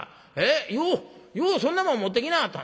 ようようそんなもん持ってきなはったな」。